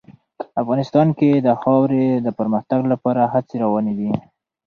افغانستان کې د خاورې د پرمختګ لپاره هڅې روانې دي.